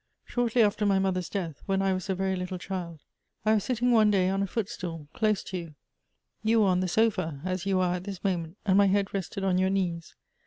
Shortly after my mother's death, when I was a veiy little child, I was sitting one day on a footstool close to you. You were on the sofa, as you are at this moment, and my head rested on your knees.